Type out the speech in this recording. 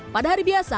pada hari berikutnya